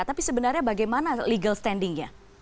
tapi sebenarnya bagaimana standingnya